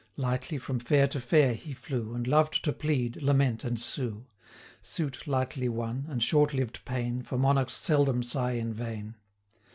Lightly from fair to fair he flew, And loved to plead, lament, and sue; Suit lightly won, and short lived pain, 240 For monarchs seldom sigh in vain.